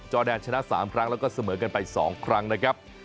แดนชนะ๓ครั้งแล้วก็เสมอกันไป๒ครั้งนะครับ